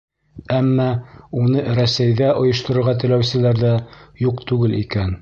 Әммә уны Рәсәйҙә ойошторорға теләүселәр ҙә юҡ түгел икән.